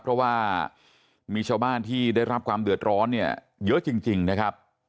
เพราะว่ามีชาวบ้านที่ได้รับความเดือดร้อนเนี่ยเยอะจริงนะครับ